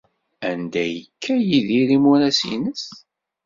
Anda ay yekka Yidir imuras-nnes?